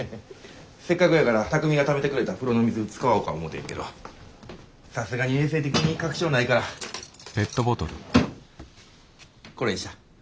せっかくやから巧海がためてくれた風呂の水使おか思てんけどさすがに衛生的に確証ないからこれにした。